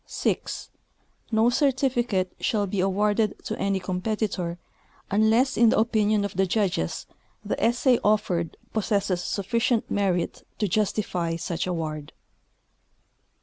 6. No certificate shall be awarded to any competitor unless, in the opinion of the judges, the essay oflered possesses suflicient merit to justify such award.